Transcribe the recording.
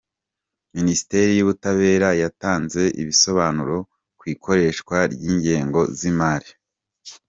Minisiteri yubutabera yatanze ibisobanuro ku ikoreshwa ry’ingengo zimari